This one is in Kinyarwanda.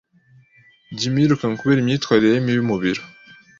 Jim yirukanwe kubera imyitwarire ye mibi mu biro.